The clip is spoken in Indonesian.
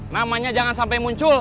namanya jangan sampai muncul